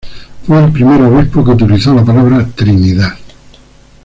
Fue el primer obispo que utilizó la palabra "Trinidad".